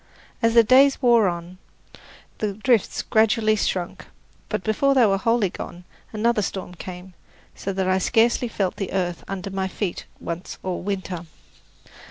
As the days wore on, the drifts gradually shrunk, but before they were wholly gone another storm came, so that I scarcely felt the earth under my feet once all winter.